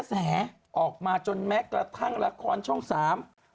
แสออกมาจนแม้กระทั่งละครช่องสาม